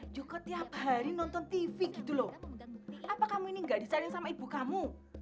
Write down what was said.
juga tiap hari nonton tv gitu loh apa kamu ini gak disaring sama ibu kamu